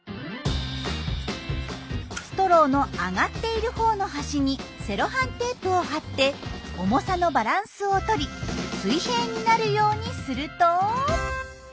ストローの上がっているほうの端にセロハンテープを貼って重さのバランスをとり水平になるようにすると。